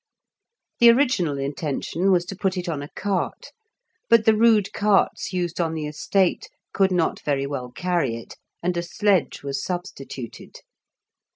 The original intention was to put it on a cart, but the rude carts used on the estate could not very well carry it, and a sledge was substituted.